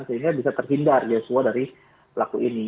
sehingga bisa terhindar joshua dari pelaku ini